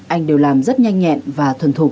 anh đều làm rất nhanh nhẹn và thuần thục